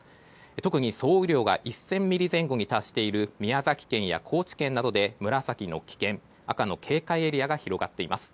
特に総雨量が１０００ミリ前後に達している宮崎県や高知県などで紫の危険、赤の警戒エリアが広がっています。